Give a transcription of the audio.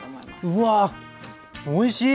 うわおいしい！